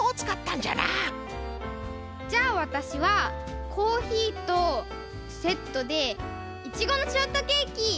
じゃあわたしはコーヒーとセットでイチゴのショートケーキ！